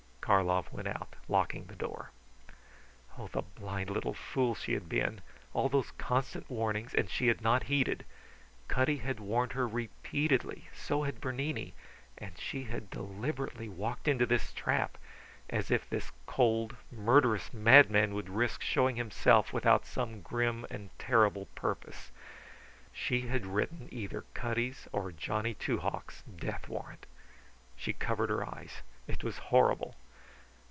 Karlov went out, locking the door. Oh, the blind little fool she had been! All those constant warnings, and she had not heeded! Cutty had warned her repeatedly, so had Bernini; and she had deliberately walked into this trap. As if this cold, murderous madman would risk showing himself without some grim and terrible purpose. She had written either Cutty's or Johnny Two Hawks' death warrant. She covered her eyes. It was horrible.